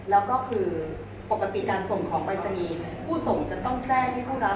แล้วก็คือปกติการส่งของวัยสงีผู้ส่งจะต้องแจ้งให้ผู้รับถึงจะรู้ไหม